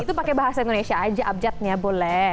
itu pakai bahasa indonesia aja abjadnya boleh